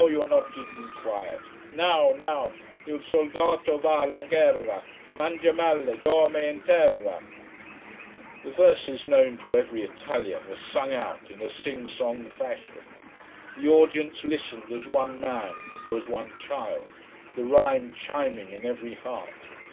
No, you are not keeping quiet. Now! Now! Il soldate va alla guerra Mangia male, dorme in terra " The verses, known to every Italian, were sung out in a sing song fashion. The audience listened as one man or as one child the rhyme chiming in every heart.